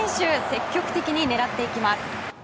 積極的に狙っていきます。